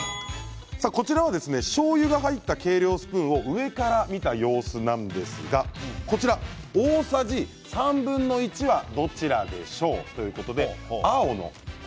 しょうゆが入った計量スプーンを上から見た様子なんですがこちら大さじ３分の１はどちらでしょうか？